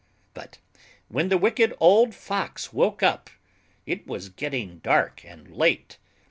But when the Wicked Old Fox woke up, It was getting dark and late.